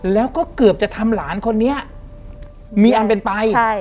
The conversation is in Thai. แล้วก็เกือบจะทำหลานคนนี้มีอันเป็นไปใช่